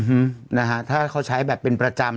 อืมนะฮะถ้าเขาใช้แบบเป็นประจำ